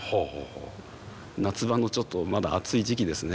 夏場のちょっとまだ暑い時期ですね。